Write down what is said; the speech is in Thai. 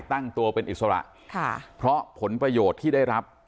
ตั้งตัวเป็นอิสระค่ะเพราะผลประโยชน์ที่ได้รับ